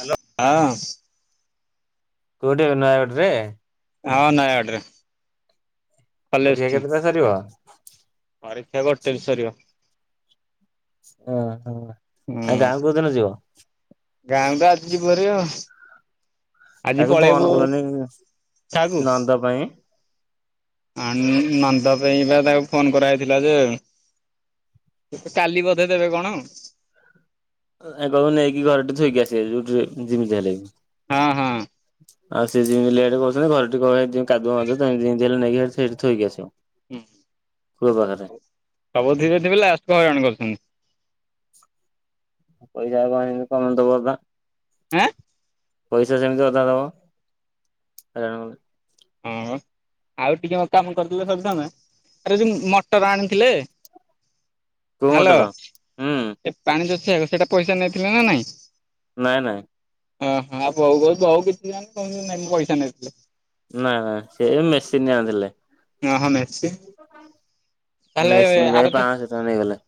Hello. ହଁ। କୋଉଠି ଏ ନୟାଗଡ଼ ରେ? ହଁ ନୟାଗଡରେ। ପରୀକ୍ଷା କେତିଟାରେ ସରିବ? ପରୀକ୍ଷା ଗୋଟେରେ ସରିବ। ହୁଁ ହୁଁ ଆଉ ଗାଁ କୁ କୋଉଦିନ ଯିବ? ଗାଁ କୁ ତ ଆଜି ଯିବାକୁ ପଡିବ। ଆଜି ତାକୁ ଫୋନ ପଳେଇବୁ କଲନି ଠାଆକୁ? ନଣନ୍ଦ ପାଇଁ ଆଣୁନୁ ନନ୍ଦ ପାଇଁ ପା ତାକୁ ଫୋନ୍ କରାହେଇଥିଲା ଯେ ସେ କାଲି ବୋଧେ ଦେବେ କଣ? ଆକୁ କହିବୁ ନେଇକି ଘର ଠି ଥୋଇକି ଆସିବେ ଯଉଠି ଜିମିତି ହେଲେ ବି। ହଁ ହଁ। [inaudible] ଆଉ ସେ ଯେମିତି ଲେଟ୍ କରୁଛନ୍ତି ଘରେ ଟିକେ କହିଛନ୍ତି କାଦୁଅ ମାଦୁଅ ତମେ ଯେମିତି ହେଲେ ନେଇକି ସେଠି ଥୋଇକି ଆସିବ। କୋଉ ପାଖରେ? ସବୁ ଥିରେ ଥିବେବୋଲେ ଆପଣ ହଇରାଣ କରୁଛନ୍ତି। ପଇସା କଣ ଇନିକମ୍ ଦବପା? ଆଁ। ପଇସା ସେମିତି ଅଧା ଦବ ଏଣୁ ଆଉ ଟିକିଏ କାମ କରିଥିଲେ ସରି ଥାନ୍ତା ଆରେ ଯେଉଁ ମଟର ଆଣିଥିଲେ। [inaudible] ହାଲୋ ହୁଁ ଏ ପାଣି ଜୋଚେ ସେଇଟା ପଇସା ନେଇଥିଲେ ନା ନାଇଁ? ନାଁ ନାଁ। ହଁ ହଁ ହେଇଯାଉଚ କହୁ ବଉ କିଛି ଜାଣ କ ପଇସା ନେଇଥିଲେ। ନା ନା ସେ ମେସିନ୍ ଆଣିଥିଲେ। ଓ ହ ମେସିନ୍। ମେସିନ୍ ପାଇଁ ଆରଥର ପାଶ ଟଙ୍କା ନେଇଗଲା।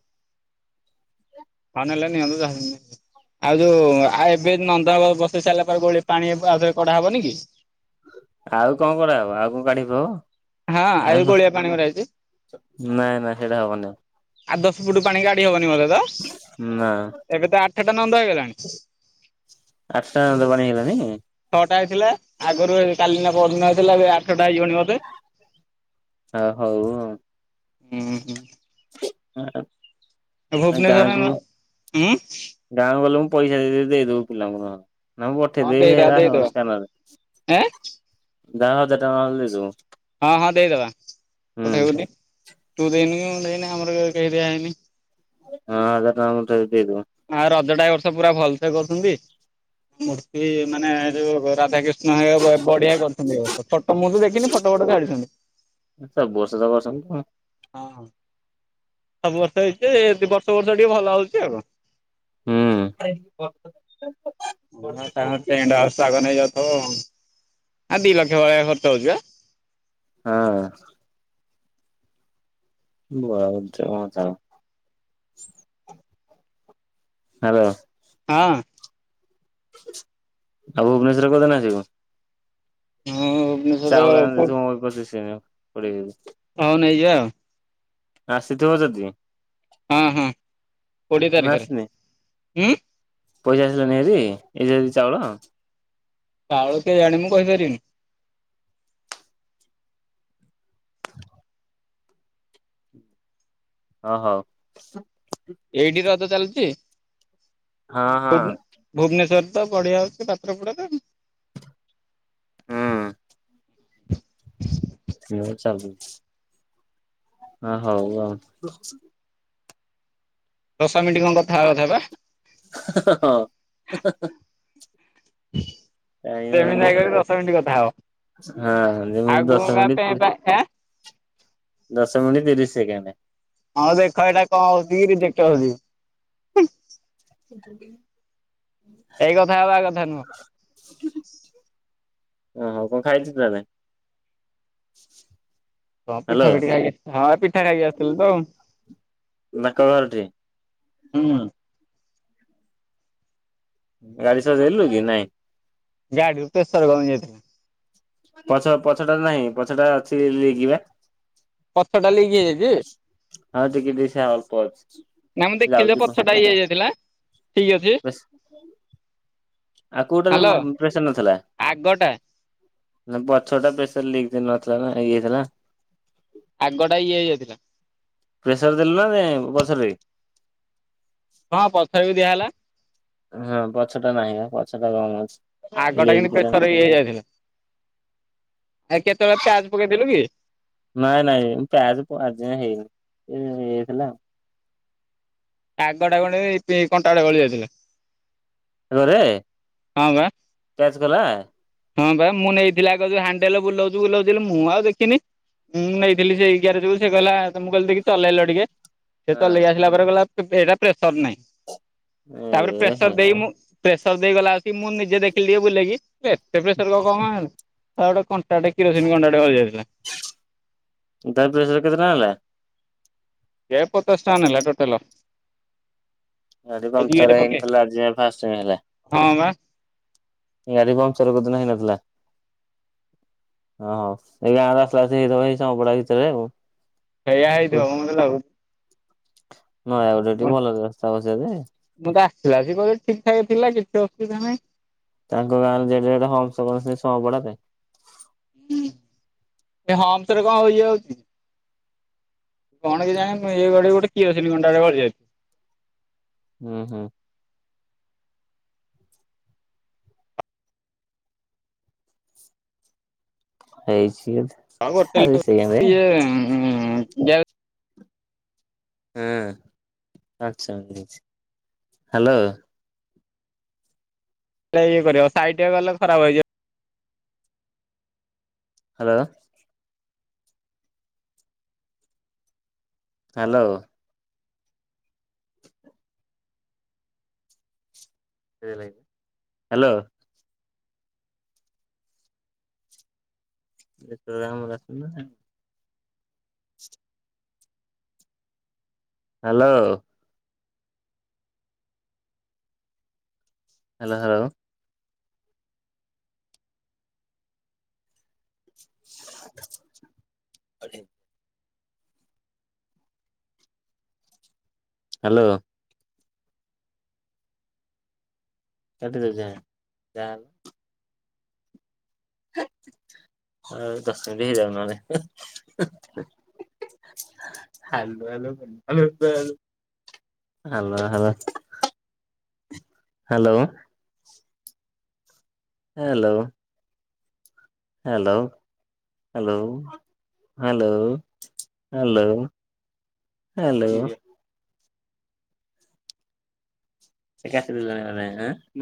ପାଣି ନେଲେ ନି ମୁଁ ଯାଣିନେହିଁ। ଆଉ ଯୋଉ ଆଉ ଏବେ ନନ୍ଦ ବସେଇ ସାରିଲା ପରେ ଗୋଳି ପାଣି ଆଉଥରେ କଡା ହବନି କି? ଆଉ କଣ କଢାହବ ଆଉ କଣ କାଢି ହବ। ଆଉ ହଁ ଯୋଉ ହଁ ଗୋଳିଆ ପାଣି ଗୁରା ହେଇଛି ନା ନା ହେରା ହବନି ଆଉ। ଆଠ ଦଶ ଫୁଟୁ ପାଣି କାଢି ହବନି ବୋଧେ ତ। ନା ଏବେ ତ ଆଠଟା ନନ୍ଦ ହେଇଗଲାଣି ଆସାକନ୍ତର ପାଣି ହେଇଗଲାଣି? ଛଅଟା ହେଇଥିଲା ଆଗରୁ କାଲି ନା ପରଦିନ ହେଇଥିଲା ଏବେ ଆଠଟା ହେଇଜୀବଣି ବୋଧେ। ଚା ହୋଉ। ଉଁ ହୁଁ। ହଁ। [unintelligible] ଭୁବନେଶ୍ୱରରେ ହୁ ଗାଁକୁ ଗଲେ ମୁଁ ପଇସା ଦେଇିଦେବୀ ଦେଇଦବୁ ପିଲାଙ୍କୁ ହଁ। ନା ମୁଁ ହଁ ଦେଇଦବା ପଠେଇଦେବି ଦେଇଦବା ସ୍କାନରରେ ଏଁ ଦାଦା ହଜାର ଟଙ୍କା ନଦ ତୁ। [unintelligible] ହଁ ହଁ ଦେଇଦେବା ପଠେଇବୁନି ତୁ ଦେଇନି କି ମୁଁ ଦେଇନି ଆମର କେହି ଦିଆ ହେଇନି। ହଁ ହଜାର ଟଙ୍କା ଉଠେଇ ଦେଇଦେବା। ଆଁ ରଜ ଟା ଏ ବର୍ଷ ପୁରା ଭଲ ସେ କରୁଛନ୍ତି ମୂର୍ତ୍ତି ମାନେ ଏ ଯୋଉ ରାଧାକୃଷ୍ଣ। ନାଇଁ ବଢ଼ିଆ କରିଛନ୍ତି ଏ ବର୍ଷ ଫଟ ମୁଁ ବି ଦେଖିନି ଫଟ ଫଟ ଛାଡିଛନ୍ତି। ସବୁ ବର୍ଷ ତ କରୁଛନ୍ତି। ହଁ ସବୁ ବର୍ଷ ହେଇଛି ଯେ ଏହି ବର୍ଷ ବର୍ଷ ଟିକେ ଭଲ ହଉଛି ଆଉ କଣ। ହୁଁ ବ। [unintelligible] ହଁ ତାଙ୍କ ଟେଣ୍ଟ ହାଉସ୍ ଆଗ ନେଇଇଯାଉଥିବ। ଆ ଦି ଲକ୍ଷ ଭଲିଆ ଖର୍ଚ ହଉଛି ବା। ହଁ- ହୁ ହ ତ। [unintelligible] ହ୍ୟାଲୋ। ହଁ ଆଉ ଭୁବନେଶ୍ୱରରେ କୋଉଦିନ ଯିବ? ହୁଁ ଚାଉଳ ଆଣିଦେଇଥିବୁ ମୋର ପଚିଶ୍ କିଲୋ କୋଡ଼ିଏ କିଲୋ। ହଉ ନେଇଯାଓ। ଆସିଥିବ ଯଦି। ହଁ ହଁ କୋଡିଏ ମୁଁ ତାରିଖରେ ଆସିନି ଉଁ ପଇସା ଆସିଲାଣି ହାରି ଏ ଯୋଉ ଚାଉଳ। ଚାଉଳ କିଏ ଜାଣି ମୁଁ କହିପାରିବିନି। ହଁ ହଉ ଏଇଠି ରଜ ଚାଲୁଛି? ହଁ ହଁ ଭୁବନେଶ୍ୱର ତ ବଢ଼ିଆ ହଉଛି ପାତ୍ରପଡ଼ାରେ। ହୁଁ। ସେ ଭଳିଆ ଚା [unintelligible] ଆଁ ହଉ ଆଉ। ଦଶ ମିନିଟ୍ କଣ କଥା ବାର୍ତ୍ତା ହେବା? ହଁ। [inaudible] [inaudible] ସେମିତି ଲାଗିବ ଦଶ ମିନିଟ୍ କଥା ହଁ ହବ ଯେମିତି ଆଉ ଗୁଁ ଦଶ ଗାଆଁ ମିନିଟ୍ ତିରି ପେପେ ଦଶ ମିନିଟ୍ ତିରିଶ୍ ସେକେଣ୍ଡ୍ ଆଉ ଦେଖ ଏଇଟା କଣ ହଉଛି କି ରିଜେକ୍ଟ୍ ହଉଛି? ଅଛନ୍ତି। [inaudible] ଏଇ କଥା ହେବା କଥା ନୁହଁ। ଓହ କଣ ଖାଇଛତି ନା ନାହିଁ? [inaudible] ହ ପିଠା ପିଠା ଖାଇକି ହଁ ପିଠା ଖାଇକି ଆସିଥିଲି ତ। ତାଙ୍କ ଘରଠି ହୁଁ ଗାଡ଼ି ସଜେଇଲୁକି ନାଇଁ? ଗାଡ଼ି ରୁ ପେଶର କମିଯାଇଥିଲେ। ପଛ ପଛଟା ନାହିଁ ପଛଟା ଅଛି ଲିକ୍ ବା ପଛ ଟା ଲିକ୍ ହେଇଯାଇଛି? ହଁ ଟିକେ ଟିକେ ସେ ଆଳ୍ପ ଅଛି ନା ମୁଁ ଦେଖିଲି ଯେ ଲାଉଛି ମ ପଛଟା ଇଏ ହେଇଯାଇଥିଲା ଠିକ ଅଛି ବାସ ଆଉ କୋଉଟାରେ ହ୍ୟାଲୋ। ପ୍ରେସର୍ ନଥିଲା? ଆଗଟା ନା ପଛଟା ପ୍ରେସର୍ ଲିକ୍ ନଥିଲା ନା ଇଏ ଥିଲା। ଆଗଟା ଇଏ ହେଇଯାଇଥିଲା ପ୍ରେସର୍ ଦେଲୁ ନାଇ ପଛରେ? ହଁ ପଛରେ ବି ଦିଆହେଲା। ହଁ ପଛ ଟା ନାହିଁ ପା ପଛ ଟା କମ୍ ଅଛି। ଆଗ ଟା ଲିକ୍ କିନ୍ତୁ ଥିଲା ପେସର୍ ହେଇଯାଇଛି ଅଧିକ। ଆଉ କେତେବେଳେ ପ୍ୟାଚ୍ ପକେଇଥିଲୁ କି? ନାଇଁ ନାଇଁ ମୁଁ ପ୍ୟାଚ ଆଜି ଯାଏ ହେଇନି ଏଇ ହେଇଯାଇଥିଲା। ଆଗଟା ଗୋଟେ ୟୁପିଈ କଣ୍ଟାଟେ ଗଳି ଯାଇଥିଲା। ତାପରେ ହଁ ବା। ହଁ ବା ମୁଁ ନେଇଥିଲ ଆଗ ଯଉ ହାଣ୍ଡେଲ୍ ବୁଲାଉଛି ବୁଲାଉଛି ମୁଁ ଆଉ ଦେଖିନି ମୁଁ ନେଇଥିଲି ସେଇ ଗ୍ୟାରେଜେ ସେ କହିଲା ତମ ମୁଁ କହିଲି ଟିକେ ଚଲେଇଲ ଟିକେ ସେ ଚଲେଇକି ଆସିଲା ପରେ କହିଲା ପେ ଏଟା ପ୍ରେସର୍ ନାହିଁ ତାପରେ ଏ ହେ ପ୍ରେସର ଦେଇକି ମୁଁ ପ୍ରେସର ଦେଇଗଲା ଆସିକି ମୁଁ ନିଜେ ଦେଖିଲି ଟିକେ ବୁଲେଇକି ହେ ଏତେ ପ୍ରେସର୍ କହ କଣ ହେଲା ହେ ଗୋଟେ କ କଣ୍ଟା ଟେ କିରୋସିନ୍ ଗଳିଯାଇଥିଲା। ତାର ଦୁଇଶ ରେ କେତେ ଟଙ୍କା ହେଲା? ହେ ପଚାଷ ଟଙ୍କା ନେଲା ଟୋଟାଲ। ଗାଡି ଏ ପମ୍ପଚର୍ ହେଇନଥିଲା ଆଜି ଯାଏ ଫାଷ୍ଟ୍ ଟାଇମ ହେଲା। ହୁଁ ବା। ଗାଡି ପାମ୍ପଚର୍ କୋଉଦିନ ହେଇନଥିଲା? ହଁ ଏଇ ଗାଁରେ ଆସିଲା ଆସିକି ହେଇଥବ ଏଇ ସମ୍ପଡା ଭିତରେ ଆଉ ସେୟା ହେଇଥିବ ମୋତେ ଲାଗୁ ନୟାଗଡ ଟିକେ ଭଲ ରାସ୍ତା ବା ସିଆଡେ। ମୁଁ ତ ଆସିଲା ଅସିକି ଠିକ ଠାକ ଥିଲା କିଛି ଅସୁବିଧା ନାହିଁ। ତାଙ୍କ ଗାଁରେେ ଯେଡ଼େ ଯେଡ଼େ ହମ୍ପସ କରିଛନ୍ତି ସମ୍ପଡା ରେ ହୁଁ ସେଇ ହମ୍ପ୍ସ ରେ କଣ ଇଏ ହଉଛି। କଣ କେଜାଣି [unintelligible] କିସର୍ସିନି କଣ୍ଟା ଟେ ଗଳି ଯାଇଛି। ହୁଁ ହୁଁ। ହେଇଛି ଟେଲ ଆରେ ଗ ସେଇଆ ବେ [unintelligible] ହେଁ ଆଛା ହ୍ୟାଲୋ। ହେ ଇଏ କରିବ ସାଇଟି ରେ ଗଲେ ଖରାପ ହେଇଯିବ। ହ୍ୟାଲୋ। ହ୍ୟାଲୋ। ସେ ନାଇ ହ୍ୟାଲୋ। ଏଶାମ ଆସ [unintelligible] hello. Hello hello [unintelligible] hello [unintelligible] [unintelligible] [unintelligible] hello hello hello hello hello hello hello hello hello [unintelligible]